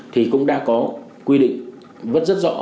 thì cũng đã có quy định vất rất rõ